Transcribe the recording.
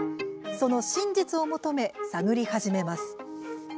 その真実を求め探り始めます。